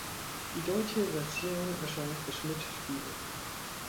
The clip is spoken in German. Die deutsche Version erscheint bei Schmidt Spiele.